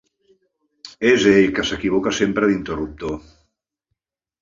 És ell que s'equivoca sempre d'interruptor.